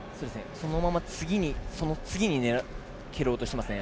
そのまま次に蹴ろうとしていますね。